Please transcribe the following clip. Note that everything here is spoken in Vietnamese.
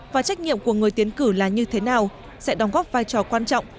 và trách nhiệm của người tiến cử là như thế nào sẽ đóng góp vai trò quan trọng